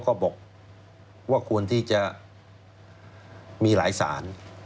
ก็บอกว่าควรที่จะมีหลายสาร